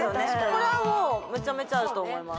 これはもうめちゃめちゃあると思います